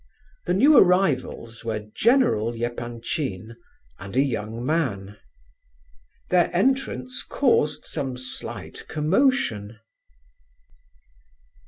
The new arrivals were General Epanchin and a young man. Their entrance caused some slight commotion.